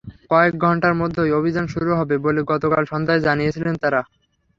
কয়েক ঘণ্টার মধ্যেই অভিযান শুরু হবে বলে গতকাল সন্ধ্যায় জানিয়েছিল তারা।